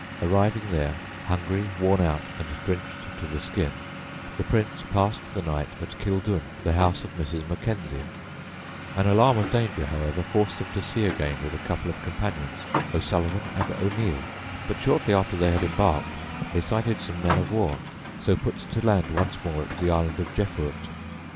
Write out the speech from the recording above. Arriving there hungry, worn out, and drenched to the skin, the Prince passed the night at Kildun, the house of Mrs. Mackenzie; an alarm of danger, however, forced him to sea again with a couple of companions, O'Sullivan and O'Neal; but shortly after they had embarked they sighted some men of war, so put to land once more at the Island of Jeffurt.